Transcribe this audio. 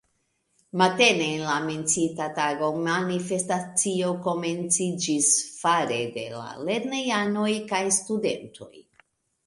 Matene en la menciita tago manifestacio komenciĝis fare de lernejanoj kaj studentoj.